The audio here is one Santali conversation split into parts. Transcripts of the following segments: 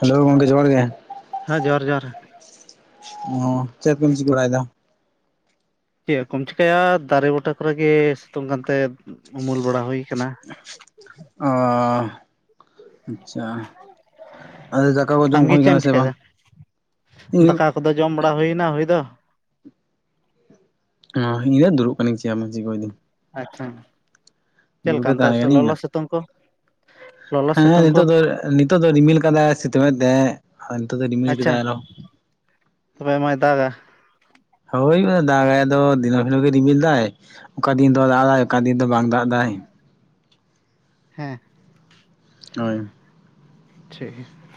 ᱦᱮᱞᱳ ᱜᱚᱝᱠᱮ ᱡᱚᱦᱟᱨ ᱜᱮ, ᱦᱮᱸ ᱡᱚᱦᱟᱨ ᱡᱚᱦᱟᱨ ᱚ ᱪᱮᱫ ᱠᱚᱵᱤᱱ ᱪᱤᱠᱟᱹᱵᱟᱲᱟᱭᱼᱮᱫᱟ? ᱪᱮᱫ ᱠᱚᱢ ᱪᱮᱠᱟᱹᱭᱟ, ᱫᱟᱨᱮ ᱵᱩᱴᱟᱹ ᱠᱚᱨᱮ ᱜᱮ ᱥᱤᱛᱩᱝ ᱠᱟᱱᱛᱮ ᱩᱢᱩᱞ ᱵᱟᱲᱟ ᱦᱩᱭ ᱟᱠᱟᱱᱟ᱾ ᱚᱻ ᱟᱪᱪᱷᱟ ᱟᱨ ᱫᱟᱠᱟ ᱠᱚ ᱡᱚᱢ ᱟᱢᱜᱮ ᱦᱩᱭ ᱪᱮᱫ ᱮᱢ ᱟᱠᱟᱱᱟ ᱥᱮ ᱵᱟᱝ? ᱪᱤᱠᱟᱹᱭᱮᱫᱟ ᱫᱟᱠᱟ ᱠᱚᱫᱚ ᱡᱚᱢ ᱵᱟᱲᱟ ᱦᱩᱭ ᱮᱱᱟ ᱦᱩᱭ ᱫᱚ, ᱩᱸ ᱤᱧ ᱫᱚ ᱫᱩᱲᱩᱵ ᱟᱠᱟᱹᱱᱟᱧ ᱪᱮᱫ ᱦᱚᱸ ᱵᱟᱝ ᱪᱤᱠᱟᱹᱭᱮᱫᱤᱧ ᱟᱪᱪᱷᱟ ᱪᱮᱫ ᱞᱮᱠᱟ ᱜᱮ ᱚᱱᱛᱮ ᱛᱟᱦᱮᱸ ᱠᱟᱹᱱᱟᱹᱧ ᱞᱚᱞᱚ ᱥᱤᱛᱩᱝ ᱠᱚ? ᱞᱚᱞᱚ ᱦᱮᱸ ᱦᱮᱸ ᱥᱤᱛᱩᱝ ᱠᱚ ᱱᱤᱛᱚᱜ ᱫᱚᱭ ᱱᱤᱛᱚᱜ ᱫᱚ ᱨᱤᱢᱤᱞ ᱟᱠᱟᱫᱟᱭ ᱥᱤᱛᱩᱝ ᱮᱫ ᱛᱟᱦᱮᱫ ᱟᱨ ᱱᱤᱛᱚᱜ ᱫᱚ ᱨᱤᱢᱤᱞ ᱟᱪᱪᱷᱟ ᱟᱠᱟᱫᱟᱭ ᱟᱨᱦᱚ [unintelligible] ᱛᱚᱵᱮ ᱢᱟᱭ ᱫᱟᱜᱟ ᱦᱳᱭᱩᱼᱟ ᱫᱟᱼᱜᱟᱭ ᱟᱫᱚ ᱫᱤᱱᱟᱹᱢ ᱦᱤᱞᱚᱜ ᱜᱮ ᱨᱤᱢᱤᱞ ᱮᱫᱟᱭ ᱚᱠᱟ ᱫᱤᱱ ᱫᱚ ᱫᱟᱜᱟᱭ ᱚᱠᱟ ᱫᱤᱱ ᱫᱚ ᱵᱟᱝ ᱫᱟᱜ ᱮᱫᱟᱭ ᱦᱮᱸ ᱦᱚᱸ [unintelligible] ᱪᱮᱜ [unintelligible]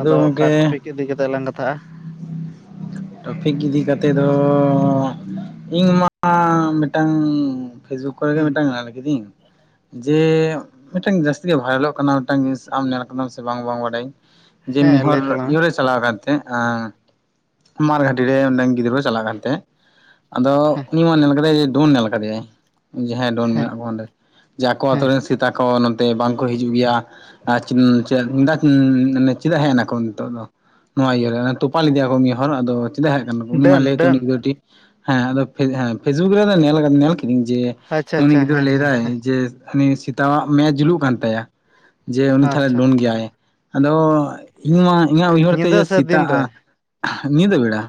ᱟᱫᱚ ᱚᱠᱟ ᱴᱚᱯᱤᱠ ᱤᱫᱤ ᱠᱟᱛᱮᱜ ᱞᱟᱝ ᱠᱟᱛᱷᱟᱜᱼᱟ? ᱴᱚᱯᱷᱤᱠ ᱤᱫᱤ ᱠᱟᱛᱮ ᱫᱳ ᱤᱧᱸᱜ ᱢᱟ ᱢᱤᱜᱴᱟᱹᱝ ᱯᱷᱮᱡᱩ ᱠᱚᱨᱮ ᱜᱮ ᱦᱩᱸ ᱢᱤᱫᱴᱟᱝ [unintelligible] ᱠᱤᱫᱤᱧ ᱡᱮ ᱢᱤᱴᱟᱝ ᱡᱟᱹᱥᱛᱤᱜ ᱜᱮ ᱵᱷᱟᱭᱨᱟᱞᱚᱜ ᱠᱟᱱᱟ ᱢᱤᱫᱴᱟᱝ ᱡᱤᱱᱤᱥ ᱟᱢ ᱧᱮᱞ ᱟᱠᱟᱫᱟᱢ ᱥᱮ ᱵᱟᱝ ᱵᱟᱝ ᱵᱟᱰᱟᱭᱟᱹᱧ ᱡᱮ ᱦᱮᱸ ᱢᱤᱦᱚᱨ ᱞᱟᱹᱭ ᱛᱟᱞᱟᱝ ᱢᱮ ᱤᱭᱟᱹᱼᱨᱮ ᱪᱟᱞᱟᱣ ᱠᱟᱛᱮᱜ ᱟ ᱢᱟᱨ ᱜᱷᱟᱴᱤᱨᱮ ᱨᱮ ᱚᱸᱰᱮ ᱜᱤᱫᱽᱨᱟᱹ ᱪᱟᱞᱟ ᱠᱟᱛᱮᱜ ᱟᱫᱚ ᱦᱮᱸ ᱩᱱᱤᱢᱟ ᱧᱮᱞ ᱠᱟᱫᱮᱜᱤᱭᱟᱹᱧ ᱰᱷᱩᱱ ᱧᱮᱞ ᱠᱟᱫᱮᱭᱟᱹᱧ ᱡᱟᱦᱟᱸᱭ ᱰᱚᱱ ᱦᱮᱸ ᱢᱮᱱᱟᱜ ᱠᱚᱣᱟ ᱚᱸᱰᱮ ᱡᱮ ᱟᱠᱚ ᱦᱮᱸ ᱨᱮᱱ ᱥᱮᱛᱟ ᱠᱚ ᱱᱚᱛᱮ ᱵᱟᱝᱠᱚ ᱦᱤᱡᱩᱜ ᱜᱮᱭᱟ, ᱟᱨ ᱪᱮᱱ ᱪᱮᱫᱟᱜ ᱩᱸᱪᱮᱫᱟᱜ ᱦᱮᱜ ᱮᱱᱟᱠᱚ? ᱱᱤᱛᱚᱜ ᱫᱚ ᱱᱚᱣᱟ ᱤᱭᱟᱹ ᱛᱚᱯᱟ ᱞᱮᱫᱮᱭᱟᱼᱠᱚ ᱢᱤᱜ ᱦᱚᱨ ᱟᱫᱚ ᱪᱮᱫᱟᱜ ᱦᱮᱜ ᱟᱠᱟᱱᱟᱠᱚ? ᱩᱱ ᱢᱟᱭ ᱰᱟᱹᱱ ᱞᱟᱹᱭ ᱛᱚ ᱩᱱᱤ ᱰᱟᱹᱱ ᱠᱟᱹᱴᱤ ᱦᱮᱸ ᱟᱫᱚ ᱯᱷᱮ ᱯᱷᱮᱥᱵᱩᱠ ᱨᱮᱫᱚ ᱱᱮᱞ ᱱᱮᱞᱼᱠᱤᱫᱤᱧ ᱡᱮ ᱟᱪᱪᱷᱟ ᱩᱱᱤ ᱟᱪᱪᱷᱟ ᱜᱤᱫᱽᱨᱟᱹ ᱦᱮᱸ ᱦᱮᱸ ᱞᱟᱹᱭᱫᱟᱭ ᱡᱮ ᱩᱱᱤ ᱥᱮᱛᱟᱣᱟᱜ ᱢᱮ ᱡᱩᱞᱩᱜ ᱠᱟᱱ ᱛᱟᱭᱟ ᱡᱮ ᱩᱱᱤ ᱛᱟᱦᱞᱮ ᱟᱪᱪᱷᱟ ᱰᱳᱱ ᱜᱮᱭᱟᱭ ᱟᱫᱚ ᱤᱧ ᱢᱟ ᱤᱧᱟᱹᱜ ᱩᱭᱦᱟᱹᱨ ᱛᱮ ᱧᱤᱫᱟᱹ ᱥᱮ ᱫᱤᱱ ᱥᱮᱛᱟᱜᱼᱟ ᱨᱮ ᱧᱤᱫᱟᱹ ᱵᱮᱲᱟ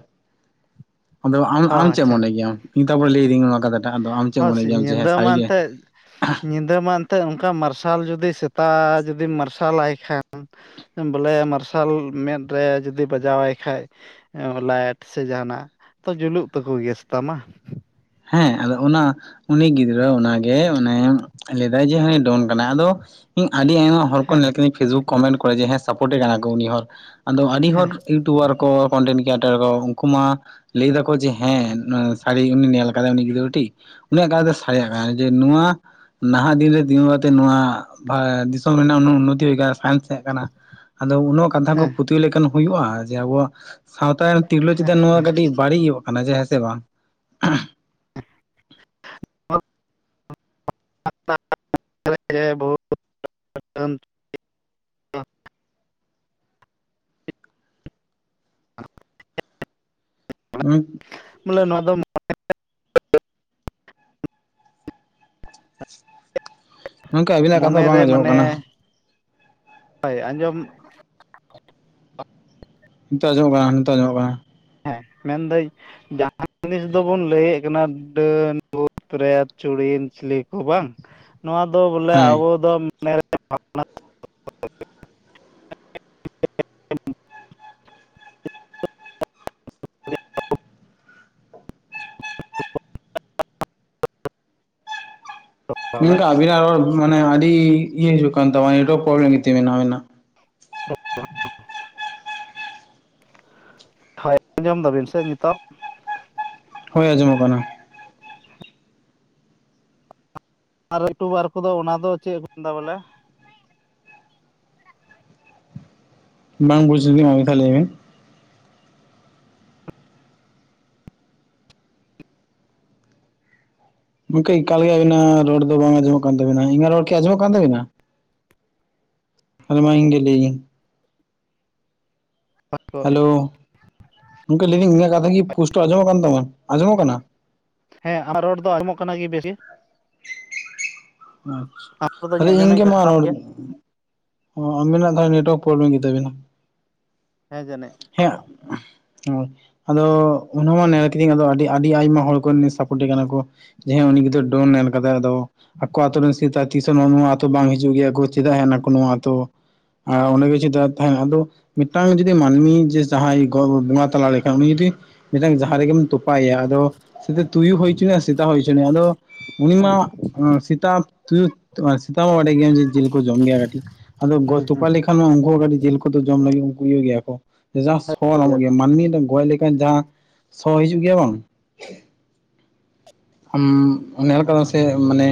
ᱟᱫᱚ ᱟᱢ ᱦᱚᱸ ᱟᱢ ᱪᱮᱜ ᱟᱪᱪᱷᱟ ᱢᱚᱱᱮ ᱜᱮᱭᱟᱢ ᱤᱧ ᱛᱟᱯᱚᱨᱮ ᱞᱟᱹᱭᱟᱫᱤᱧ ᱚᱱᱟ ᱠᱟᱛᱷᱟᱴᱟᱜ ᱟᱫᱚ ᱟᱢ ᱪᱮᱜ ᱢᱚᱱᱮ ᱦᱚᱸ ᱜᱮᱭᱟᱢ? ᱡᱮ ᱦᱮ ᱧᱤᱫᱟᱹ ᱢᱟ ᱥᱟᱹᱨᱤᱜ ᱜᱮ᱾ ᱮᱱᱛᱮᱫ ᱧᱤᱫᱟᱹ ᱢᱟ ᱮᱱᱛᱮᱜ ᱚᱱᱠᱟ ᱢᱟᱨᱥᱟᱞ ᱡᱩᱫᱤ ᱥᱮᱛᱟ ᱡᱩᱫᱤᱢ ᱢᱟᱨᱥᱟᱞᱟᱭ ᱠᱷᱟᱱ ᱵᱚᱞᱮ ᱢᱟᱨᱥᱟᱞ ᱢᱮᱫ ᱨᱮ ᱡᱩᱫᱤ ᱵᱟᱡᱟᱣᱟᱭ ᱠᱷᱟᱡ ᱮ ᱵᱚᱞᱮᱼᱞᱟᱭᱮᱴ ᱥᱮ ᱡᱟᱦᱟᱱᱟᱜ ᱛᱚ ᱡᱩᱞᱩᱜ ᱛᱟᱠᱚ ᱜᱮᱭᱟ ᱥᱮᱛᱟᱢᱟ᱾ ᱦᱮᱸ ᱟᱫᱚ ᱚᱱᱟ ᱩᱱᱤ ᱜᱤᱫᱽᱨᱟᱹ ᱚᱱᱟᱜᱮ ᱚᱱᱮ ᱞᱟᱹᱭᱫᱟᱭ ᱡᱮ ᱦᱮ ᱰᱳᱱ ᱠᱟᱱᱟᱭ ᱟᱫᱚ ᱤᱧ ᱟᱹᱰᱤ ᱟᱭᱢᱟ ᱦᱚᱲ ᱠᱚ ᱦᱮᱸ ᱧᱮᱞ ᱠᱟᱹᱧ ᱯᱷᱮᱥᱵᱩᱠ ᱠᱚᱢᱮᱱᱴ ᱠᱚᱨᱮ ᱡᱮ ᱦᱮᱸ ᱥᱟᱯᱚᱨᱴᱮ ᱠᱟᱱᱟ ᱠᱚ ᱩᱱᱤ ᱦᱚᱲ ᱟᱫᱚ ᱟᱹᱰᱤ ᱦᱚᱲ ᱦᱮᱸ ᱴᱩᱳᱨ ᱠᱚ ᱠᱚᱱᱴᱮᱱ ᱠᱨᱤᱭᱮᱴᱟᱨ ᱠᱚ ᱩᱱᱠᱩ ᱢᱟ ᱞᱟᱹᱭ ᱫᱟᱠᱚ ᱡᱮ ᱦᱮᱸ ᱥᱟᱹᱨᱤ ᱩᱱᱤ ᱧᱮᱞ ᱠᱟᱨᱮ ᱩᱱᱤ ᱜᱤᱫᱽᱟᱹᱨ ᱴᱷᱤ ᱩᱱᱤᱭᱟᱜ ᱠᱟᱛᱷ ᱫᱚ ᱥᱟᱭ ᱮᱢᱮᱼᱟ ᱡᱮ ᱱᱚᱣᱟ ᱱᱟᱦᱟᱜ ᱫᱤᱱ ᱨᱮ ᱛᱤᱸᱜᱩ ᱠᱟᱛᱮ ᱱᱚᱣᱟ ᱵᱷᱟᱨ ᱫᱤᱥᱚᱢ ᱨᱮᱱᱟᱜ ᱩᱱᱼᱩᱱᱱᱚᱛᱤ ᱦᱩᱭ ᱠᱚᱣᱟ ᱥᱟᱭᱮᱸᱥ ᱛᱮᱜ ᱠᱟᱱᱟ ᱟᱫᱚ ᱩᱱᱳᱜ ᱠᱟᱛᱷᱟ ᱠᱚ ᱦᱮᱸ ᱯᱩᱛᱷᱭᱟᱹ ᱞᱮᱠᱷᱟᱱ ᱦᱩᱭᱩᱜᱼᱟ ᱡᱮ ᱟᱵᱚᱣᱟᱜ ᱥᱟᱶᱛᱟ ᱨᱮ ᱛᱤᱨᱞᱟᱹ ᱪᱮᱛᱟᱱ ᱱᱚᱣᱟ ᱠᱟᱹᱴᱤᱡ ᱵᱟᱹᱲᱤᱡ ᱦᱩᱭᱩᱜ ᱠᱟᱱᱟ ᱡᱮ ᱦᱮᱸᱥᱮ ᱵᱟᱝ? [unintelligible] [inaudible] [unintelligible] ᱩᱸ ᱵᱚᱞᱮ ᱱᱚᱣᱟ ᱫᱚ ᱜᱚᱝᱠᱮ ᱟᱵᱤᱱᱟᱜ ᱠᱟᱛᱷᱟ ᱢᱚᱱᱮ ᱨᱮ ᱵᱟᱝ ᱟᱸᱡᱚᱢᱚᱜ ᱢᱟᱱᱮ ᱠᱟᱱᱟ ᱚᱭ ᱟᱸᱡᱚᱢ ᱱᱤᱛᱚᱜ ᱟᱸᱡᱚᱢᱚᱜ ᱠᱟᱱᱟ ᱱᱤᱛᱚᱜ ᱟᱸᱡᱚᱢᱚᱜ ᱠᱟᱱᱟ᱾ ᱦᱮᱸ ᱢᱮᱱ ᱫᱟᱹᱧ ᱡᱟᱦᱟᱸ ᱡᱤᱱᱤᱥ ᱫᱚᱵᱚᱱ ᱞᱟᱹᱭᱮᱫ ᱠᱟᱱᱟ ᱰᱟᱹᱱ ᱵᱷᱩᱛ ᱪᱩᱨᱮᱛ ᱪᱩᱲᱤᱱ ᱪᱤᱞᱤ ᱠᱚ ᱵᱟᱝ ᱱᱚᱣᱟ ᱫᱚ ᱵᱚᱞᱮ ᱦᱮᱸ ᱟᱵᱚ ᱫᱚᱼᱼ ᱵᱚᱞᱮ ᱜᱚᱝᱠᱮ ᱟᱵᱤᱱᱟᱜ ᱨᱚᱲ ᱢᱟᱱᱮ ᱟᱹᱰᱤ ᱤᱭᱟᱹ ᱦᱤᱡᱩᱜ ᱠᱟᱱ ᱛᱟᱢᱟ ᱱᱮᱴᱣᱟᱨᱠ ᱯᱨᱚᱵᱞᱮᱢ ᱮᱫ ᱛᱟᱵᱮᱱᱟ ᱟᱵᱤᱱᱟᱜ ᱤᱱᱼᱚᱰᱤᱵᱮᱞ [unintelligible] ᱦᱳᱭ ᱟᱸᱡᱚᱢ ᱫᱟᱵᱤᱱ ᱥᱮ ᱱᱤᱛᱚᱜ ᱦᱳᱭ ᱟᱸᱡᱚ ᱢᱚᱜ ᱠᱟᱱᱟ᱾ ᱟᱨ ᱤᱭᱩᱴᱩᱵᱟᱨ ᱠᱚᱫᱚ ᱚᱱᱟ ᱫᱚ ᱪᱮᱫ ᱠᱚ ᱢᱮᱱᱫᱟ ᱵᱚᱞᱮ? ᱵᱟᱝ ᱵᱩᱡᱽ ᱞᱫᱟᱹᱧ ᱟᱨ ᱢᱤᱫ ᱫᱷᱟᱣ ᱞᱟᱹᱭ ᱵᱮᱱ᱾ ᱜᱚᱝᱠᱮ ᱮᱠᱟᱞ ᱜᱮ ᱟᱹᱵᱤᱱᱟᱜ ᱨᱚᱲ ᱫᱚ ᱵᱟᱝ ᱟᱸᱡᱚᱢᱚᱜ ᱠᱟᱱ ᱛᱟᱵᱤᱱᱟ ᱤᱧᱟᱹᱜ ᱨᱳᱲ ᱠᱤ ᱟᱸᱡᱚᱜ ᱠᱟᱱ ᱛᱟᱵᱤᱱᱟ? ᱛᱟᱦᱞᱮ ᱢᱟ ᱤᱧ ᱜᱮ ᱞᱟᱹᱭᱤᱧ ᱦᱮᱞᱳ, ᱜᱚᱝᱠᱮ ᱞᱟᱹᱭ ᱫᱟᱹᱧ ᱤᱧᱟᱹᱜ ᱠᱟᱛᱷᱟ ᱠᱤ ᱯᱩᱥᱴᱟᱹ ᱟᱸᱡᱚᱢᱚᱜ ᱠᱟᱱ ᱛᱟᱵᱚᱱ ᱟᱸᱡᱚᱢᱚᱜ ᱠᱟᱱᱟ? ᱦᱮᱸ ᱟᱨᱟᱜ [unintelligible] ᱨᱚᱲ ᱫᱚ ᱟᱸᱡᱚᱢᱚᱜ ᱠᱟᱱᱟ ᱜᱮ ᱵᱮᱥ ᱜᱮ ᱟᱢ ᱨᱚᱲ ᱦᱟᱸ ᱫᱚᱧ ᱛᱟᱞᱦᱮ ᱤᱧ ᱟᱸᱡᱚᱢᱮᱫ ᱜᱮ ᱠᱟᱱ ᱢᱟ ᱛᱟᱢ ᱨᱚᱲᱼᱼ ᱜᱮᱭᱟ ᱚ ᱟᱵᱤᱱᱟᱜ ᱱᱮᱴᱣᱟᱨᱠ ᱯᱨᱚᱵᱞᱮᱢ ᱜᱮᱛᱟᱵᱤᱱᱟ ᱦᱮᱸ ᱡᱟᱹᱱᱤᱡ ᱦᱮᱸ ᱩᱸᱦ ᱦᱳᱭ ᱟᱫᱚ ᱚᱱᱟ ᱱᱮᱞ ᱠᱤᱫᱟᱹᱧ ᱟᱫᱚ ᱟᱹᱰᱤ ᱟᱰᱤ ᱟᱭᱢᱟ ᱦᱚᱲ ᱠᱚᱱ ᱥᱟᱯᱳᱴᱮ ᱠᱟᱱᱟ ᱠᱚ ᱦᱮᱸ ᱩᱱᱤ ᱜᱤᱫᱟᱹᱨ ᱰᱟᱹᱱ ᱱᱮᱞ ᱠᱟᱫᱟ ᱠᱚᱫᱚ ᱼᱼ ᱟᱠᱚ ᱟᱛᱳ ᱨᱮᱱ ᱥᱮᱛᱟ ᱛᱤᱥ ᱦᱚᱸ ᱱᱚᱣᱟ ᱱᱚᱣᱟ ᱟᱛᱩ ᱵᱟᱝ ᱦᱤᱡᱩᱜ ᱜᱮᱭᱟ ᱠᱚ ᱪᱮᱫᱟᱜ ᱦᱮᱜ ᱱᱟᱠᱚ ᱱᱚᱣᱟ ᱟᱛᱳ? ᱟᱨ ᱚᱸᱰᱮᱜᱮ ᱪᱮᱫ ᱛᱟᱦᱮᱱᱟ ᱟᱫᱳᱼᱼ ᱢᱤᱫᱴᱟᱝ ᱡᱩᱫᱤ ᱢᱟᱹᱱᱢᱤ ᱡᱮ ᱡᱟᱦᱟᱸᱭ ᱜᱚ ᱵᱚᱸᱜᱟ ᱛᱟᱞᱟ ᱞᱮᱠᱷᱟᱱ ᱩᱱᱤ ᱡᱩᱫᱤᱼᱼ ᱢᱤᱫᱴᱟᱝ ᱡᱟᱦᱟᱸ ᱨᱮᱜᱮᱢ ᱛᱚᱯᱟᱭᱭᱟ ᱟᱫᱚ ᱥᱮ ᱛᱩᱭᱩ ᱦᱩᱭᱪᱩᱱᱮ ᱥᱮᱛᱟ ᱦᱩᱭᱪᱚᱱᱮ ᱟᱫᱚᱼᱼ ᱩᱱᱤ ᱦᱮᱸ ᱢᱟ ᱮᱸ ᱥᱮᱛᱟ ᱛᱩᱭᱩ ᱥᱮᱛᱟ ᱢᱟᱵᱟᱰᱟᱭ ᱜᱮᱭᱟ ᱡᱮ ᱡᱤᱞ ᱠᱚ ᱡᱚᱢ ᱜᱮᱭᱟ ᱠᱟᱹᱴᱤᱡ ᱜᱚ ᱦᱩᱸ ᱦᱩᱸ ᱛᱚᱯᱟ ᱞᱮᱠᱷᱟᱱ ᱩᱝᱠᱩ ᱦᱚᱸ ᱠᱟᱴᱤᱪ ᱡᱮᱞ ᱠᱚᱫᱚ ᱡᱚᱢ ᱞᱟᱹᱜᱤᱫ ᱩᱝᱠᱩ ᱤᱭᱟᱹᱜ ᱜᱮᱭᱟ ᱠᱚ ᱡᱟᱸᱦᱟ ᱥᱚ ᱧᱟᱢᱚᱜ ᱜᱮᱭᱟ ᱢᱟᱼᱼ ᱟᱨ ᱢᱤᱫᱽ ᱫᱷᱟᱣ ᱜᱚᱪ ᱞᱮᱠᱷᱟᱱ ᱡᱟᱸᱦᱟ ᱥᱚ ᱦᱤᱡᱩᱜ ᱜᱮᱭᱟ ᱵᱟᱝ ᱟᱢ ᱱᱮᱞ ᱠᱟᱫᱟᱢ ᱥᱮ ᱢᱟᱱᱮᱼᱼ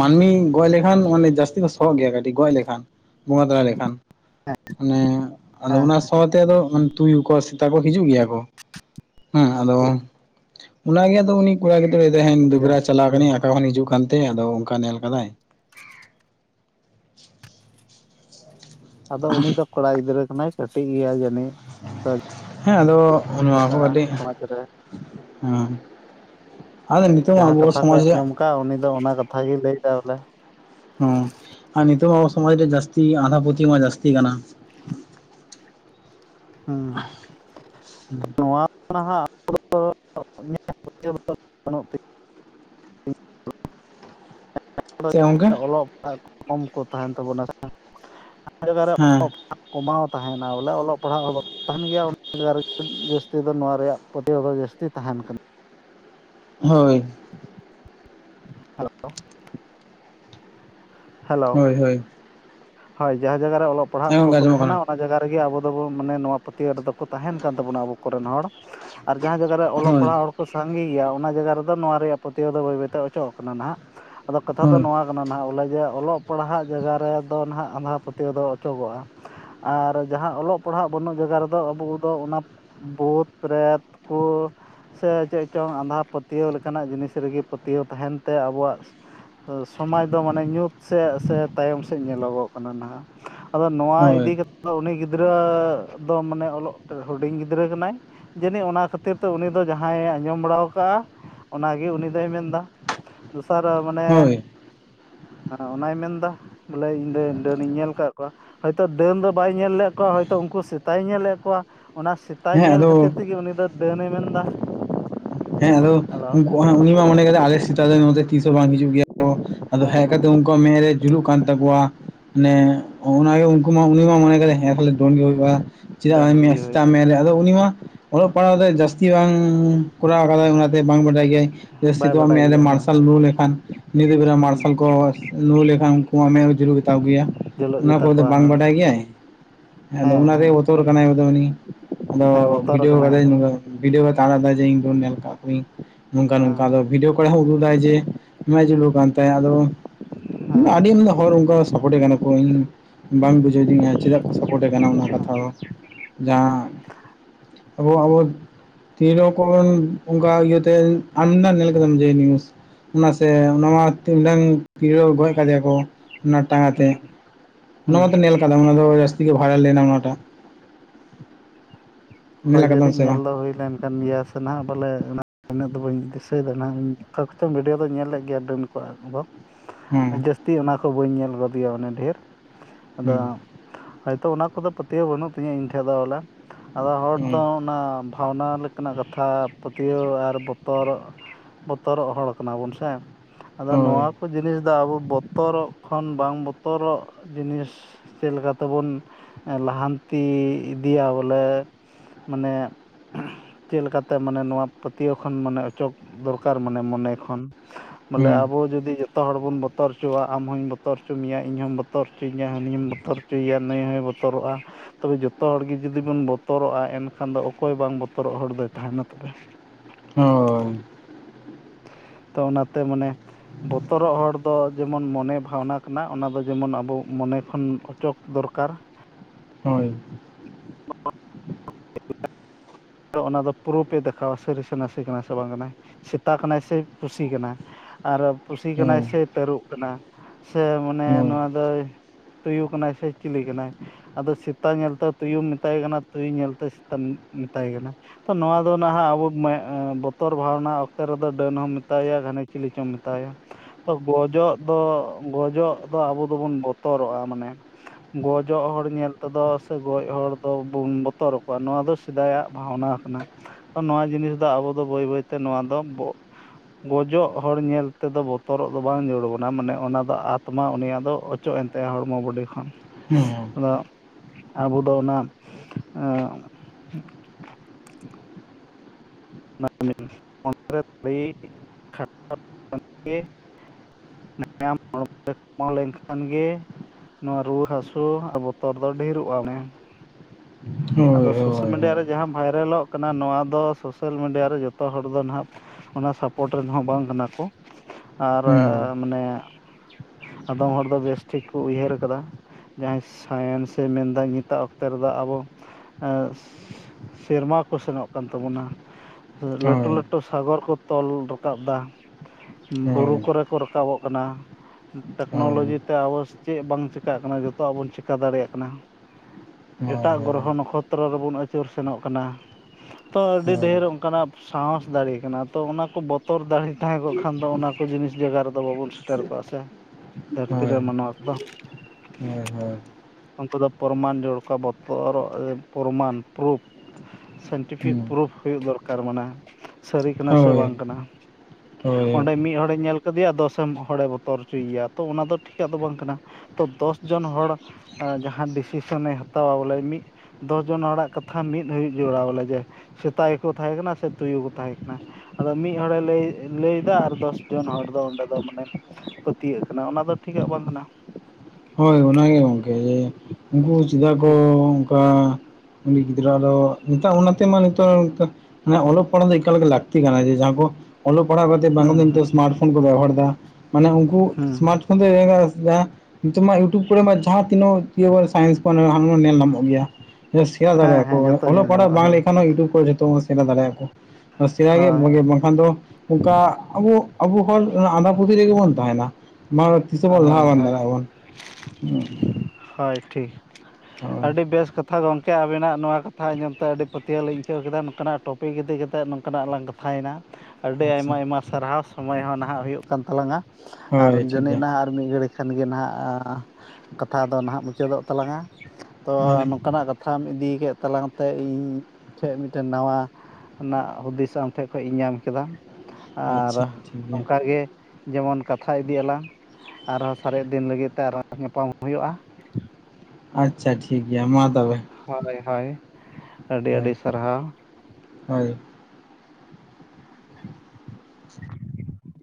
ᱢᱟᱹᱱᱢᱤ ᱜᱚᱡ ᱞᱮᱠᱷᱟᱱ ᱢᱟᱱᱮ ᱡᱟᱹᱥᱛᱤ ᱠᱚ ᱥᱚᱜ ᱜᱮᱭᱟ ᱠᱟᱹᱴᱤᱡ ᱜᱚᱡ ᱞᱮᱠᱷᱟᱱ ᱵᱚᱸᱜᱟ ᱛᱟᱞᱟ ᱞᱮᱠᱷᱟᱱ ᱢᱟᱱᱮ ᱟᱫᱚ ᱚᱱᱟ ᱥᱚ ᱛᱮ ᱟᱫᱚ ᱛᱩᱭᱩ ᱠᱚ ᱥᱮᱛᱟ ᱠᱚ ᱦᱤᱡᱩᱜ ᱜᱮᱭᱟ ᱠᱚ ᱦᱮᱸ ᱟᱫᱚ ᱚᱱᱟᱜᱮ ᱟᱫᱚ ᱩᱱᱤ ᱠᱚᱲᱟ ᱜᱤᱫᱽᱨᱟᱹᱼᱼ ᱛᱮᱦᱮᱧ ᱦᱮᱸ ᱫᱩᱵᱽᱨᱟ ᱪᱟᱞᱟᱣ ᱠᱟᱹᱱᱟᱹᱧ ᱟᱠᱟ ᱠᱷᱚᱱ ᱦᱤᱡᱩᱜ ᱠᱟᱱᱛᱮ ᱟᱫᱚ ᱚᱝᱠᱟ ᱱᱮᱞ ᱠᱟᱫᱟᱭ ᱟᱫᱚ ᱩᱱᱤ ᱫᱚ ᱠᱚᱲᱟ ᱜᱤᱫᱽᱨᱟᱹ ᱠᱟᱱᱟᱭ ᱠᱟᱹᱴᱤᱡ ᱜᱮᱭᱟ ᱡᱟᱹᱱᱤᱡ ᱛᱚ ᱦᱮᱸ ᱟᱫᱚ ᱱᱚᱣᱟ ᱠᱚ ᱠᱟᱹᱴᱤᱡ ᱥᱚᱢᱟᱡᱽ ᱨᱮ ᱦᱮᱸ ᱟᱫᱚ ᱱᱤᱛᱚᱜ ᱢᱟ ᱟᱵᱚ ᱥᱚᱢᱟᱡᱽ ᱨᱮᱭᱟᱜᱼᱼ ᱚᱠᱟ ᱩᱱᱤ ᱫᱚ ᱚᱱᱟ ᱠᱟᱛᱷᱟ ᱜᱮ ᱞᱟᱹᱭ ᱫᱟ ᱵᱚᱞᱮ ᱦᱩᱸ ᱟᱨ ᱱᱤᱛᱚᱜ ᱚᱥᱚᱢᱚᱭ ᱨᱮ ᱡᱟᱹᱥᱛᱤ ᱟᱸᱫᱷᱟ ᱯᱟᱹᱛᱭᱟᱹᱣ ᱢᱟ ᱡᱟᱹᱥᱛᱤ ᱠᱟᱱᱟ ᱦᱩᱸ ᱱᱚᱣᱟ ᱛᱚᱦᱟᱜ ᱼᱼ [unintelligible] ᱼᱼ ᱪᱮᱫ ᱜᱚᱝᱠᱮ? ᱚᱞᱚᱜ ᱠᱚᱢ ᱠᱚ ᱛᱟᱦᱮᱱ ᱛᱟᱵᱚᱱᱟ ᱡᱟᱸᱦᱟ, ᱡᱟᱭᱜᱟ ᱨᱮ ᱦᱮᱸ [unintelligible] ᱼᱼ ᱠᱚᱢᱟᱣ ᱛᱟᱦᱮᱱᱟ ᱵᱚᱞᱮ ᱚᱞᱚᱜ ᱯᱟᱲᱦᱟᱜ ᱟᱞᱚ ᱼ ᱛᱟᱦᱮᱱ ᱜᱮᱭᱟ ᱚᱱᱟ ᱨᱮ ᱡᱟᱹᱥᱛᱤ ᱫᱚ ᱱᱚᱣᱟ ᱨᱮᱭᱟᱜ ᱯᱚᱛᱭᱟᱹᱣ ᱫᱚ ᱡᱟᱹᱥᱛᱤ ᱛᱟᱦᱮᱱ ᱠᱟᱱᱟ ᱦᱳᱭ ᱦᱮᱞᱳ ᱦᱳᱭ ᱦᱳᱭ ᱦᱳᱭ ᱡᱟᱦᱟᱸ ᱡᱟᱭᱜᱟ ᱨᱮ ᱚᱞᱚᱜ ᱯᱟᱲᱦᱟᱜ ᱦᱮᱸ ᱠᱚ ᱜᱚᱝᱠᱮ ᱵᱟᱠᱚ ᱟᱸᱡᱚᱢᱚᱜ ᱛᱟᱦᱮᱱᱟ ᱠᱟᱱᱟ ᱚᱱᱟ ᱡᱟᱭᱜᱟ ᱨᱮᱜᱮ ᱟᱵᱚ ᱫᱚᱵᱚᱱ ᱢᱟᱱᱮ ᱱᱚᱣᱟ ᱯᱟᱹᱛᱭᱟᱹᱣ ᱨᱮ ᱫᱚ ᱠᱚ ᱛᱟᱦᱮᱱ ᱠᱟᱱ ᱛᱟᱵᱚᱱᱟ ᱟᱵᱚᱼᱼ ᱠᱚᱨᱮᱱ ᱦᱚᱲ, ᱟᱨ ᱡᱟᱦᱟᱸ ᱡᱟᱭᱜᱟ ᱨᱮ ᱚᱞᱚᱜ ᱦᱳᱭ ᱯᱟᱲᱦᱟᱜ ᱦᱚᱲᱼᱼ ᱠᱚ ᱥᱟᱸᱜᱮ ᱜᱮᱭᱟ ᱚᱱᱟ ᱡᱟᱭᱜᱟ ᱨᱮᱫᱚ ᱱᱚᱣᱟ ᱨᱮᱭᱟᱜ ᱯᱟᱹᱛᱭᱟᱹᱣ ᱫᱚ ᱵᱟᱹᱭ ᱵᱟᱹᱭᱛᱮ ᱚᱪᱚᱜ ᱠᱟᱱᱟ ᱱᱟᱦᱟᱜ ᱟᱫᱚ ᱠᱟᱛᱷᱟ ᱫᱚ ᱦᱳᱭ ᱱᱚᱣᱟᱼᱼ ᱚᱱᱟ ᱱᱟᱦᱟᱜ ᱵᱚᱞᱮ ᱡᱮ ᱚᱞᱚᱜ ᱯᱟᱲᱦᱟᱜ ᱡᱟᱭᱜᱟ ᱨᱮᱫᱚ ᱱᱟᱦᱟᱸᱜ ᱟᱸᱫᱷᱟ ᱯᱟᱹᱛᱭᱟᱹᱣ ᱫᱚ ᱚᱪᱚᱜᱚᱜᱼᱟ ᱟᱨ ᱡᱟᱦᱟᱸ ᱚᱞᱚᱜ ᱯᱟᱲᱦᱟᱜ ᱵᱟᱹᱱᱩᱜ ᱡᱟᱭᱜᱟ ᱨᱮᱫᱚ ᱟᱵᱚ ᱫᱚ ᱚᱱᱟᱼᱼ ᱵᱷᱩᱛ ᱨᱮᱛ [unintelligible] ᱠᱚ ᱥᱮ ᱪᱮᱜ ᱪᱚᱝ ᱟᱸᱫᱷᱟ ᱯᱟᱹᱛᱤᱭᱟᱹᱣ ᱞᱮᱠᱟᱱᱟᱜ ᱡᱤᱱᱤᱥ ᱨᱮᱜᱮ ᱯᱟᱹᱛᱤᱭᱟᱹᱣ ᱛᱟᱦᱮᱱ ᱛᱮ ᱟᱵᱚᱣᱟᱜ ᱥᱚᱢᱟᱡᱽ ᱫᱚ ᱢᱟᱱᱮ ᱧᱩᱛ ᱥᱮᱜ ᱥᱮ ᱛᱟᱭᱚᱢ ᱥᱮᱜ ᱧᱮᱞᱚᱜᱚᱜ ᱠᱟᱱᱟ ᱱᱟᱦᱟᱜ ᱟᱫᱚ ᱱᱚᱣᱟ ᱤᱫᱤ ᱦᱳᱭ ᱠᱟᱛᱮ ᱟᱫᱚ ᱩᱱᱤ ᱜᱤᱫᱽᱨᱟᱹ ᱫᱚ ᱢᱟᱱᱮ ᱚᱞᱚᱜ ᱦᱩᱰᱤᱧ ᱜᱤᱫᱽᱨᱟᱹ ᱠᱟᱱᱟᱭ ᱡᱟᱹᱱᱤᱡ ᱚᱱᱟ ᱠᱷᱟᱹᱛᱤᱨ ᱛᱮ ᱩᱱᱤ ᱫᱚ ᱡᱟᱦᱟᱸᱭ ᱟᱸᱡᱚᱢ ᱵᱟᱲᱟᱣᱠᱟᱜ ᱟ ᱚᱱᱟᱜᱮ ᱩᱱᱤ ᱫᱚᱭ ᱢᱮᱱᱫᱟ ᱫᱚᱥᱟᱨ ᱢᱟᱱᱮ ᱦᱳᱭ ᱚᱱᱟᱭ ᱢᱮᱱᱫᱟ ᱵᱚᱞᱮ ᱤᱧ ᱫᱚ ᱰᱟᱹᱱ ᱤᱧ ᱧᱮᱞ ᱠᱟᱜ ᱠᱚᱣᱟ ᱦᱚᱭᱛᱚ ᱰᱟᱹᱱ ᱫᱚ ᱵᱟᱭ ᱧᱮᱞ ᱞᱮᱜ ᱠᱚᱣᱟ ᱦᱚᱭᱛᱚ ᱩᱱᱠᱩ ᱥᱮᱛᱟᱭ ᱧᱮᱞ ᱞᱮᱜ ᱠᱚᱣᱟ ᱚᱱᱟ ᱥᱮ ᱥᱮᱛᱟᱭ ᱦᱮᱸ ᱧᱮᱞ ᱠᱷᱟᱹᱛᱤᱨ ᱟᱫᱚ ᱛᱮᱜᱮ ᱩᱱᱤᱫᱚ ᱰᱟᱹᱱᱮ ᱢᱮᱱᱫᱟ ᱦᱮᱸ ᱟᱫᱚ ᱦᱮᱞᱳ ᱩᱱᱠᱩ ᱚᱱᱟ ᱩᱱᱤ ᱢᱟ ᱚᱰᱮ ᱜᱮᱞᱮ ᱟᱞᱮ ᱥᱮᱛᱟ ᱞᱮ ᱱᱚᱛᱮ ᱛᱤᱥ ᱦᱚᱸ ᱵᱟᱝ ᱦᱤᱡᱩᱜ ᱜᱮᱭᱟ ᱟᱫᱚ ᱦᱮᱸ ᱦᱮᱸ ᱦᱮᱜ ᱠᱟᱛᱮᱜ ᱩᱱᱠᱩᱣᱟᱜ ᱢᱮᱜ ᱨᱮ ᱡᱩᱞᱩᱜ ᱠᱟᱱ ᱛᱟᱠᱚᱣᱟ ᱢᱟᱱᱮ ᱚᱱᱟᱜᱮ ᱩᱱᱠᱩ ᱢᱟ ᱩᱱᱤ ᱢᱟ ᱢᱚᱱᱮ ᱠᱟᱫᱟᱭ ᱦᱮᱸ ᱵᱚᱞᱮ ᱵᱟᱹᱱ ᱜᱮ ᱦᱩᱭᱩᱜ ᱟ [unintelligible] ᱪᱮ ᱰᱟᱹᱱ ᱜᱮ ᱦᱩᱭ ᱥᱮᱛᱟ ᱫᱟᱲᱮᱭᱟᱜᱼᱟ ᱢᱮᱜ ᱨᱮ ᱟᱫ ᱩᱱᱤ ᱢᱟ ᱚᱞᱚᱜ ᱯᱟᱲᱦᱟᱣ ᱫᱚ ᱡᱟᱹᱥᱛᱤ ᱵᱟᱝ ᱠᱚᱨᱟᱣ ᱠᱟᱫᱟᱭ ᱚᱱᱟᱛᱮ ᱵᱟᱝ ᱵᱟᱰᱟᱭ ᱜᱮᱭᱟᱭ ᱡᱟᱹᱥᱛᱤ ᱵᱟᱭ ᱫᱚ ᱵᱟᱰᱟᱭ ᱢᱮᱜ ᱨᱮ ᱜᱮᱭᱟ ᱦᱮᱸ ᱢᱟᱨᱥᱟᱞ ᱵᱚᱞᱚ ᱞᱮᱠᱷᱟᱱ ᱧᱤᱫᱟᱹ ᱵᱮᱲᱟ ᱦᱩᱸ ᱢᱟᱨᱥᱟᱞ ᱠᱚ ᱱᱩ ᱞᱮᱠᱷᱟᱱ ᱩᱱᱠᱩᱢᱟ ᱢᱮᱜ ᱠᱚ ᱡᱩᱞᱩᱜ ᱜᱮᱛᱟ ᱠᱚ ᱜᱮᱭᱟ ᱡᱩᱞᱩᱜ ᱚᱱᱟ ᱠᱚ ᱜᱮᱛᱟ ᱫᱚ ᱠᱚᱣᱟ ᱵᱟᱝ ᱦᱮᱸ ᱵᱟᱰᱟᱭ ᱜᱮᱭᱟᱭ ᱟᱫᱚ ᱦᱮᱸ ᱚᱱᱟᱨᱮᱭ ᱦᱮᱸ ᱵᱚᱛᱚᱨ ᱟᱠᱟᱱᱟᱭ ᱟᱫ ᱩᱱᱤ ᱦᱮᱸ ᱟᱫᱚ ᱵᱚᱛᱚᱨ ᱵᱷᱤᱰᱤᱭᱳ ᱟᱠᱟᱱᱟᱭ ᱠᱟᱫᱟᱭ ᱱᱚᱝᱠᱟ ᱵᱷᱤᱰᱤᱭᱳ ᱠᱟᱛᱮ ᱟᱲᱟ ᱫᱟᱭ ᱤᱧ ᱫᱚ ᱧᱮᱞ ᱠᱟᱜ ᱠᱚᱣᱤᱧ ᱱᱚᱝᱠᱟ ᱱᱚᱝᱠᱟ ᱫᱚ ᱦᱮᱸ ᱵᱷᱤᱰᱤᱭᱳ ᱠᱚ ᱠᱚᱨᱮ ᱦᱚᱸ ᱩᱫᱩᱜ ᱫᱟᱭ ᱡᱮ ᱢᱮᱜ ᱡᱩᱞᱩᱜ ᱠᱟᱱ ᱛᱟᱭᱟ ᱟᱫᱚ ᱦᱮᱸ ᱟᱹᱰᱤ ᱦᱚᱲ ᱚᱱᱠᱟ ᱥᱟᱯᱳᱴᱮ ᱠᱟᱱᱟ ᱠᱚ ᱤᱧ ᱵᱟᱝ ᱵᱩᱡᱷᱟᱹᱣ ᱫᱤᱧ ᱪᱮᱫᱟᱜ ᱠᱚ ᱥᱟᱯᱳᱴ ᱮ ᱠᱟᱱᱟ ᱚᱱᱟ ᱠᱟᱛᱷᱟ ᱦᱚᱸ ᱡᱟᱦᱟᱸ ᱟᱵᱚ ᱟᱵᱚ ᱛᱤᱨᱚᱠᱚᱢᱚᱞ ᱚᱝᱠᱟ ᱤᱭᱟᱹᱛᱮ ᱟᱢᱫᱟ ᱧᱮᱞ ᱠᱮᱫᱟᱢ ᱡᱮ ᱱᱤᱭᱩᱥ ᱚᱱᱟ ᱥᱮ ᱱᱚᱣᱟᱫ ᱛᱤᱱᱟᱹᱜ ᱯᱤᱭᱟᱹᱣ ᱜᱚᱡ ᱠᱟᱫᱮᱭᱟ ᱠᱚ ᱚᱱᱟ ᱴᱟᱸᱜᱟ ᱛᱮ ᱦᱩᱸ ᱦᱩᱸ ᱚᱱᱟ ᱢᱟᱛᱚ ᱱᱮᱞ ᱠᱟᱫᱟᱢ ᱚᱱᱟ ᱫᱚ ᱡᱟᱹᱥᱛᱤ ᱜᱮ ᱵᱷᱟᱭᱨᱟᱞ ᱞᱮᱱᱟ ᱚᱱᱟ ᱴᱟᱜ ᱦᱳᱭ ᱧᱮᱞ ᱠᱟᱫᱟᱢ ᱡᱟᱹᱲᱤᱡ ᱥᱮ ᱧᱮᱞ ᱵᱟᱝ ᱫᱚ ᱦᱩᱭ ᱞᱮᱱ ᱠᱟᱱ ᱜᱮᱭᱟ ᱥᱮ ᱱᱟᱦᱟᱜ ᱵᱚᱞᱮ ᱤᱱᱟᱹᱜ ᱫᱚ ᱵᱟᱹᱧ ᱫᱤᱥᱟᱹᱭ ᱫᱟ ᱱᱟᱝ ᱚᱠᱟ ᱠᱚᱪᱚᱝ ᱵᱷᱤᱰᱤᱭᱳ ᱫᱚ ᱧᱮᱞ ᱞᱮᱜ ᱜᱮᱭᱟ ᱰᱟᱹᱱ ᱠᱚᱣᱟᱜ ᱦᱮᱸ [unintelligible] ᱡᱟᱹᱥᱛᱤ ᱚᱱᱟ ᱠᱚ ᱵᱟᱹᱧ ᱧᱮᱞ ᱜᱚᱫ ᱜᱮᱭᱟ ᱚᱱᱮ ᱰᱷᱮᱨ ᱟᱫᱚ ᱦᱩᱸ ᱦᱳᱭᱛᱳ ᱚᱱᱟ ᱠᱚᱫᱚ ᱯᱟᱹᱛᱭᱟᱹᱣ ᱵᱟᱹᱱᱩᱜ ᱛᱤᱧᱟ ᱤᱧ ᱴᱷᱮᱜ ᱫᱚ ᱵᱚᱞᱮ ᱟᱫᱚ ᱦᱚᱲ ᱦᱳᱭ ᱫᱚ ᱚᱱᱟ ᱵᱷᱟᱣᱱᱟ ᱞᱮᱠᱟᱱᱟᱜ ᱠᱟᱛᱷᱟ ᱯᱟᱹᱛᱭᱟᱹᱣ ᱟᱨ ᱵᱚᱛᱚᱨ ᱵᱚᱛᱚᱨᱚᱜ ᱦᱚᱲ ᱠᱟᱱᱟ ᱵᱚᱱ ᱥᱮ ᱟᱫᱚ ᱱᱚᱣᱟ ᱦᱳᱭ ᱠᱚ ᱡᱤᱱᱤᱥ ᱫᱚ ᱟᱵᱚ ᱵᱚᱛᱚᱨᱚᱜ ᱠᱷᱚᱱ ᱵᱟᱝ ᱵᱚᱛᱚᱨᱚᱜ ᱡᱤᱱᱤᱥ ᱪᱮᱫ ᱞᱮᱠᱟ ᱛᱮᱵᱚᱱ ᱞᱟᱦᱟᱱᱛᱤ ᱤᱫᱤᱭᱟ ᱵᱚᱞᱮ ᱢᱟᱱᱮ ᱪᱮᱜ ᱞᱮᱠᱟᱛᱮ ᱢᱟᱱᱮ ᱱᱚᱣᱟ ᱯᱟᱹᱛᱭᱟᱹᱣ ᱠᱷᱚᱱ ᱢᱟᱱᱮ ᱚᱪᱚᱜ ᱫᱚᱨᱠᱟᱨ ᱢᱟᱱᱮ ᱢᱚᱱᱮ ᱠᱷᱚᱱ ᱢᱚᱞᱮ ᱦᱩᱸ ᱟᱵᱚ ᱡᱩᱫᱤ ᱡᱚᱛᱚ ᱦᱚᱲ ᱵᱚᱱ ᱵᱚᱛᱚᱨ ᱪᱚᱣᱟᱜ ᱟᱢ ᱦᱚᱸᱧ ᱵᱚᱛᱚᱨᱚᱪᱚ ᱢᱤᱭᱟ ᱤᱧ ᱦᱚᱢ ᱵᱚᱛᱚᱨ ᱦᱚᱪᱚᱧᱟ ᱦᱟᱹᱱᱤ ᱦᱚᱸᱢ ᱵᱚᱛᱚᱨ ᱦᱚᱪᱚᱭᱭᱟ ᱱᱟᱹᱭ ᱦᱚᱸᱭ ᱵᱚᱛᱚᱨᱚᱜ ᱟ ᱛᱚᱵᱮ ᱡᱚᱛᱚ ᱦᱚᱲ ᱜᱮ ᱡᱩᱫᱤ ᱵᱚᱱ ᱵᱚᱛᱚᱨᱚᱜ ᱟ ᱮᱱᱠᱷᱟᱱ ᱫᱚ ᱚᱠᱚᱭ ᱵᱟᱝ ᱵᱚᱛᱚᱨᱚᱜ ᱦᱚᱲ ᱫᱚᱭ ᱛᱟᱦᱮᱸᱱᱟ ᱛᱚᱵᱮ [unintelligible] ᱛᱚ ᱚᱱᱟ ᱛᱮ ᱢᱟᱱᱮ ᱵᱚᱛᱚᱨᱚᱜ ᱦᱚᱲ ᱫᱚ ᱡᱮᱢᱚᱱ ᱢᱚᱱᱮ ᱵᱷᱟᱵᱱᱟ ᱠᱟᱱᱟ ᱚᱱᱟ ᱫᱚ ᱡᱮᱢᱚᱱ ᱟᱵᱚ ᱢᱚᱱᱮ ᱠᱷᱚᱱ ᱚᱪᱚᱜ ᱫᱚᱨᱠᱟᱨ ᱦᱳᱭ [inaudible] ᱚᱱᱟ ᱫᱚ ᱯᱩᱨᱩᱯ ᱯᱮ ᱫᱮᱠᱷᱟᱣᱟ ᱥᱟᱹᱨᱤ ᱥᱮ ᱱᱟᱥᱮ ᱠᱟᱱᱟᱭ ᱥᱮ ᱵᱟᱝ ᱠᱟᱱᱟᱭ ᱥᱮᱛᱟ ᱠᱟᱱᱟᱭ ᱥᱮᱭ ᱯᱩᱥᱤ ᱠᱟᱱᱟ ᱟᱨ ᱯᱩᱥᱤ ᱠᱟᱱᱟᱭ ᱦᱳᱭ ᱥᱮ ᱛᱟᱹᱨᱩᱵ ᱠᱟᱱᱟᱭ ᱥᱮ ᱢᱟᱱᱮ ᱦᱳᱭ ᱱᱚᱣᱟ ᱫᱚᱭ ᱛᱩᱭᱩ ᱠᱟᱱᱟᱭ ᱥᱮ ᱪᱤᱞᱤ ᱠᱟᱱᱟᱭ ᱟᱫᱚ ᱥᱮᱛᱟ ᱧᱮᱞᱛᱮ ᱛᱩᱭᱩᱢ ᱢᱮᱛᱟᱭ ᱠᱟᱱᱟ ᱛᱩᱭᱩ ᱧᱮᱞᱛᱮ ᱥᱮᱛᱟᱢ ᱢᱮᱛᱟᱭ ᱠᱟᱱᱟ ᱛᱚ ᱱᱚᱣᱟ ᱫᱚ ᱱᱟᱦᱟᱜ ᱟᱵᱚ ᱵᱚᱛᱚᱨ ᱵᱷᱟᱵᱽᱱᱟ ᱚᱠᱛᱮ ᱨᱮᱫᱚ ᱰᱟᱹᱱ ᱦᱚᱢ ᱢᱮᱛᱟᱭᱟ ᱜᱷᱟᱱᱮ ᱪᱤᱞᱤ ᱪᱚᱢ ᱢᱮᱛᱟᱭᱟ ᱜᱚᱡᱚᱜ ᱫᱚ ᱟᱵᱚ ᱫᱚᱵᱚᱱ ᱵᱚᱛᱚᱨᱚᱜᱼᱟ ᱢᱟᱱᱮ ᱜᱚᱡᱚᱜ ᱦᱚᱲ ᱧᱮᱞ ᱛᱮᱫᱚ ᱥᱮ ᱜᱚᱡ ᱦᱚᱲ ᱫᱚᱵᱚᱱ ᱵᱚᱛᱚᱨ ᱟᱠᱚᱣᱟ ᱱᱚᱣᱟ ᱫᱚ ᱥᱮᱫᱟᱭᱟᱜ ᱵᱷᱟᱵᱽᱱᱟ ᱠᱟᱱᱟ ᱛᱚ ᱱᱚᱣᱟ ᱡᱤᱱᱤᱥ ᱫᱚ ᱟᱵᱚ ᱫᱚ ᱵᱟᱹᱭ ᱵᱟᱹᱭᱛᱮ ᱱᱚᱣᱟ ᱫᱚ ᱜᱚᱡᱚᱜ ᱦᱚᱲ ᱧᱮᱞ ᱛᱮ ᱫᱚ ᱵᱚᱛᱚᱨᱚᱜ ᱫᱚ ᱵᱟᱝ ᱧᱩᱨ ᱟᱵᱚᱱᱟ ᱢᱟᱱᱮ ᱚᱱᱟ ᱫᱚ ᱟᱛᱢᱟ ᱩᱱᱤᱭᱟᱜ ᱫᱚ ᱚᱪᱚᱜ ᱮᱱ ᱛᱟᱭᱟ ᱦᱚᱲᱢᱚ ᱵᱳᱰᱤ ᱠᱷᱚᱱ ᱦᱮᱸ [unintelligible] ᱟᱵᱚ ᱫᱚ ᱚᱱᱟ [unintelligible] ᱟᱢ ᱦᱚᱲᱢᱚ ᱠᱚᱢᱟᱣ ᱞᱮᱱ ᱠᱷᱟᱱ ᱜᱮ ᱱᱚᱣᱟ ᱨᱩᱣᱟᱹ ᱦᱟᱹᱥᱩ ᱟᱨ ᱵᱚᱛᱚᱨ ᱫᱚ ᱰᱷᱮᱨᱚᱜᱼᱟ ᱚᱱᱮ ᱟᱫᱚ ᱦᱳᱭ ᱥᱩᱥ ᱥᱳᱥᱟᱹᱞ ᱦᱳᱭ ᱦᱳᱭ ᱢᱤᱰᱤᱭᱟ ᱨᱮ ᱡᱟᱦᱟᱸ ᱵᱷᱟᱭᱨᱟᱞᱚᱜ ᱠᱟᱱᱟ ᱱᱚᱣᱟ ᱫᱚ ᱥᱳᱥᱟᱹᱞ ᱢᱤᱰᱤᱭᱟ ᱨᱮ ᱡᱚᱛᱚ ᱦᱚᱲ ᱫᱚ ᱱᱟᱦᱟᱜ ᱚᱱᱟ ᱥᱟᱯᱳᱨᱴ ᱨᱮᱱ ᱦᱚᱸ ᱵᱟᱝ ᱠᱟᱱᱟ ᱠᱚ ᱟᱨ ᱦᱩᱸ ᱢᱟᱱᱮ ᱟᱫᱚᱢ ᱦᱚᱲ ᱫᱚ ᱵᱮᱥ ᱴᱷᱤᱠ ᱠᱚ ᱩᱭᱦᱟᱹᱨ ᱟᱠᱟᱫᱟ ᱡᱟᱦᱟᱸᱭ ᱥᱟᱭᱮᱱᱥᱮ ᱢᱮᱱᱫᱟ ᱱᱤᱛᱟᱜ ᱚᱠᱛᱮ ᱨᱮᱫᱚ ᱟᱵᱚ ᱥᱮᱨᱢᱟ ᱠᱚ ᱥᱮᱱᱚᱜ ᱠᱟᱱ ᱛᱟᱵᱚᱱᱟ ᱞᱟᱹᱴᱩ ᱦᱳᱭ ᱞᱟᱹᱴᱩ ᱥᱟᱜᱚᱨ ᱠᱚ ᱛᱚᱞ ᱨᱟᱠᱟᱵ ᱮᱫᱟ ᱵᱩᱨᱩ ᱦᱳᱭ ᱠᱚᱨᱮ ᱠᱚ ᱨᱟ ᱥᱟᱵᱚᱜ ᱠᱟᱱᱟ ᱦᱳᱭ ᱴᱮᱠᱱᱚᱞᱚᱡᱤ ᱛᱮ ᱟᱵᱚ ᱪᱮᱫ ᱵᱟᱝ ᱪᱮᱠᱟᱜ ᱛᱟᱦᱮᱱᱟ ᱡᱚᱛᱚᱣ ᱟᱜ ᱵᱚᱱ ᱪᱮᱠᱟ ᱫᱟᱲᱮᱭᱟᱜ ᱠᱟᱱᱟ ᱦᱳᱭ ᱦᱳᱭ ᱮᱴᱟᱜ ᱜᱨᱚᱦᱚᱱ ᱠᱷᱚᱛᱨᱚ ᱨᱮᱵᱚᱱ ᱟᱹᱪᱩᱨ ᱥᱮᱱᱚᱜ ᱠᱟᱱᱟ ᱛᱚ ᱟᱹᱰᱤ ᱦᱳᱭ ᱰᱷᱮᱨ ᱚᱱᱠᱟ ᱱᱟᱜ ᱥᱟᱸᱦᱚᱥ ᱫᱟᱲᱮ ᱠᱟᱱᱟ ᱛᱚ ᱚᱱᱟ ᱠᱚ ᱵᱚᱛᱚᱨ ᱫᱟᱲᱮ ᱛᱟᱦᱮᱸ ᱠᱚᱜ ᱠᱷᱟᱱ ᱫᱚ ᱚᱱᱟ ᱠᱚ ᱡᱤᱱᱤᱥ ᱡᱟᱜᱟ ᱨᱮ ᱫᱚ ᱵᱟᱵᱚᱱ ᱥᱮᱴᱮᱨ ᱠᱟᱜᱼᱟ ᱥᱮ ᱫᱷᱟᱹᱨᱛᱤ ᱨᱮ ᱢᱟᱱᱣᱟ ᱠᱚ᱾ ᱦᱚᱭ ᱦᱚᱭ ᱩᱱᱠᱩ ᱫᱚ ᱯᱨᱚᱢᱟᱱ ᱡᱚᱲᱠᱟ ᱵᱚᱛᱚᱨᱚᱜ ᱯᱨᱚᱢᱟᱱ ᱯᱨᱩᱯᱷ ᱥᱮᱱᱴᱤᱯᱷᱤᱠ ᱦᱩᱸ ᱯᱨᱩᱯᱷ ᱦᱩᱭᱩᱜ ᱫᱚᱨᱠᱟᱨ ᱢᱟᱱᱮ ᱥᱟᱹᱨᱤ ᱠᱟᱱᱟ ᱥᱮ ᱦᱳᱭ ᱵᱟᱝ ᱠᱟᱱᱟ ᱦᱳᱭ ᱚᱸᱰᱮ ᱢᱤᱫ ᱦᱚᱲᱮ ᱧᱮᱞ ᱠᱟᱫᱮᱭᱟ ᱫᱚᱥ ᱥᱮᱢ ᱦᱚᱲᱮ ᱵᱚᱛᱚᱨ ᱦᱚᱪᱚᱭ ᱮᱭᱟ ᱛᱚ ᱚᱱᱟ ᱫᱚ ᱴᱷᱤᱠᱼᱟᱜ ᱫᱚ ᱵᱟᱝ ᱠᱟᱱᱟ ᱛᱚ ᱫᱚᱥ ᱡᱚᱱ ᱦᱚᱲ ᱡᱟᱦᱟᱸ ᱰᱤᱥᱤᱥᱚᱱᱮ ᱦᱟᱛᱟᱣᱟ ᱵᱚᱞᱮ ᱢᱤᱫ ᱫᱚᱥ ᱡᱚᱱ ᱦᱚᱲᱟᱜ ᱠᱟᱛᱷᱟ ᱢᱤᱫ ᱦᱩᱭᱩᱜ ᱡᱚᱲᱟ ᱵᱚᱞᱮ ᱡᱮ ᱥᱮᱛᱟᱜ ᱜᱮ ᱠᱚ ᱛᱟᱦᱮᱸ ᱠᱟᱱᱟ ᱥᱮ ᱛᱩᱭᱩ ᱜᱮ ᱠᱚ ᱛᱟᱦᱮᱸ ᱠᱟᱱᱟ᱾ ᱟᱫᱚ ᱢᱤᱫ ᱦᱚᱲᱮ ᱞᱟᱹᱭ ᱞᱟᱹᱭ ᱮᱫᱟ ᱟᱨ ᱫᱚᱥ ᱡᱚᱱ ᱦᱚᱲ ᱫᱚ ᱚᱸᱰᱮ ᱢᱟᱱᱮ ᱯᱟᱹᱛᱤᱭᱟᱹᱜ ᱠᱟᱱᱟ ᱚᱱᱟ ᱫᱚ ᱴᱷᱤᱠᱼᱟᱜ ᱵᱟᱝ ᱠᱟᱱᱟ᱾ ᱦᱚᱭ ᱚᱱᱟ ᱜᱮ ᱜᱚᱢᱠᱮ ᱡᱮ ᱩᱱᱠᱩ ᱪᱮᱫᱟᱜ ᱠᱚ ᱴᱷᱤᱠ ᱚᱱᱠᱟ ᱩᱱᱤ ᱜᱤᱫᱽᱨᱟᱹ ᱟᱫᱚ ᱱᱮᱛᱟᱨ ᱚᱱᱟ ᱛᱮᱢᱟ ᱱᱤᱛᱚᱜ ᱢᱟᱱᱮ ᱚᱞᱚᱜ ᱯᱟᱲᱦᱟᱜ ᱫᱚ ᱮᱠᱟᱞ ᱜᱮ ᱞᱟᱹᱠᱛᱤ ᱠᱟᱱᱟ ᱡᱮ ᱡᱟᱦᱟᱸ ᱠᱚ᱾ ᱚᱞᱚᱜ ᱯᱟᱲᱦᱟᱣ ᱠᱟᱛᱮᱫ ᱵᱟᱝ ᱦᱩᱸ ᱛᱮ ᱦᱩᱸ ᱱᱚᱜ ᱥᱢᱟᱨᱴ ᱯᱷᱳᱱ ᱠᱚ ᱵᱮᱵᱚᱦᱟᱨ ᱮᱫᱟ ᱢᱟᱱᱮ ᱩᱱᱠᱩ ᱦᱩᱸ ᱥᱢᱟᱨᱴ ᱯᱷᱳᱱ ᱛᱮ ᱡᱟᱸ ᱱᱤᱛᱚᱜ ᱢᱟ ᱭᱩᱴᱩᱵᱽ ᱠᱚᱨᱮ ᱢᱟ ᱡᱟᱦᱟᱸ ᱛᱤᱱᱟᱹᱜ [unintelligible] ᱥᱟᱭᱤᱱᱥ ᱠᱚ ᱧᱮᱞ ᱧᱟᱢᱚᱜ ᱜᱮᱭᱟ ᱥᱮᱭᱟ ᱦᱮᱸ ᱫᱟᱲᱮ ᱦᱮᱸ ᱟᱠᱚᱣᱟ ᱡᱚᱛᱚ ᱚᱞᱚᱜ ᱧᱮᱞ ᱯᱟᱲᱦᱟᱜ ᱧᱟᱢᱚᱜᱼᱟ ᱵᱟᱝ ᱦᱮᱸ ᱞᱟᱹᱭ ᱞᱮᱠᱷᱟᱱ ᱭᱩᱴᱩᱵᱽ ᱠᱚᱛᱮ ᱥᱮᱭᱟ ᱫᱟᱲᱮ ᱦᱳᱭ ᱟᱠᱚᱣᱟ [unintelligible] ᱠᱷᱟᱱ ᱫᱚ ᱚᱱᱠᱟ ᱟᱵᱚ ᱟᱵᱚ ᱦᱚᱲ ᱟᱸᱫᱷᱟ ᱯᱟᱹᱛᱤᱭᱟᱹᱣ ᱨᱮᱜᱮ ᱵᱚᱱ ᱛᱟᱦᱮᱱᱟ᱾ ᱛᱤᱥᱮ ᱵᱚᱱ ᱞᱟᱦᱟ ᱦᱳᱭ ᱵᱟᱱ ᱫᱟᱲᱮᱭᱟᱜᱼᱟ ᱵᱚᱱ ᱦᱚᱭ ᱴᱷᱤᱠ ᱟᱹᱰᱤ ᱵᱮᱥ ᱠᱟᱛᱷᱟ ᱠᱟᱛᱷᱟ ᱜᱚᱢᱠᱮ ᱟᱹᱵᱤᱱᱟᱜ ᱱᱚᱣᱟ ᱠᱟᱛᱷᱟ ᱟᱸᱡᱚᱢ ᱛᱮ ᱟᱹᱰᱤ ᱯᱟᱹᱛᱭᱟᱹᱣ ᱞᱤᱧ ᱟᱹᱭᱠᱟᱹᱣ ᱠᱮᱫᱟ ᱱᱚᱝᱠᱟ ᱱᱟᱜ ᱴᱚᱯᱤᱠ ᱤᱫᱤ ᱠᱟᱛᱮᱫ ᱱᱚᱝᱠᱟ ᱱᱟᱜ ᱞᱟᱝ ᱠᱟᱛᱷᱟ ᱮᱱᱟ ᱟᱹᱰᱤ ᱟᱪᱪᱷᱟ ᱟᱭᱢᱟ ᱟᱭᱢᱟ ᱥᱟᱨᱦᱟᱣ ᱥᱚᱢᱚᱭ ᱦᱚᱸ ᱱᱟᱦᱟᱜ ᱦᱩᱭᱩᱜ ᱠᱟᱱ ᱛᱟᱞᱟᱝᱟ ᱟᱨ ᱦᱳᱭ ᱴᱷᱤᱠ ᱡᱟᱹᱱᱤ ᱜᱮᱭᱟ ᱟᱨ ᱢᱤᱫ ᱜᱷᱟᱹᱲᱤᱠ ᱠᱷᱟᱱ ᱜᱮ ᱱᱟᱦᱟᱜ ᱠᱟᱛᱷᱟ ᱫᱚ ᱱᱟᱦᱟᱜ ᱢᱩᱪᱟᱹᱫᱚᱜ ᱛᱟᱞᱟᱝᱼᱟ᱾ ᱛᱚ ᱦᱳᱭ ᱱᱚᱝᱠᱟ ᱱᱟᱜ ᱠᱟᱛᱷᱟᱢ ᱤᱫᱤ ᱠᱮᱫ ᱛᱟᱞᱟᱝ ᱛᱮ ᱤᱧ ᱴᱷᱮᱱ ᱢᱤᱫᱴᱮᱱ ᱱᱟᱶᱟ ᱦᱩᱫᱤᱥ ᱟᱢ ᱴᱷᱮᱱ ᱠᱷᱚᱡ ᱤᱧ ᱧᱟᱢ ᱠᱮᱫᱟ ᱟᱨ ᱟᱪᱪᱷᱟ ᱴᱷᱤᱠ ᱜᱮᱭᱟ ᱱᱚᱝᱠᱟ ᱜᱮ ᱡᱮᱢᱚᱱ ᱠᱟᱛᱷᱟ ᱤᱫᱤᱜ ᱟᱞᱟᱝ ᱟᱨ ᱦᱚᱸ ᱥᱟᱨᱮᱡ ᱫᱤᱱ ᱞᱟᱹᱜᱤᱫ ᱛᱮ ᱟᱨ ᱧᱟᱯᱟᱢ ᱦᱩᱭᱩᱜᱼᱟ᱾ ᱟᱪᱪᱷᱟ ᱴᱷᱤᱠ ᱜᱮᱭᱟ ᱢᱟ ᱛᱚᱵᱮ ᱦᱚᱭ ᱦᱚᱭ ᱟᱹᱰᱤ ᱦᱳᱭ ᱟᱹᱰᱤ ᱥᱟᱨᱦᱟᱣ ᱦᱳᱭ [inaudible]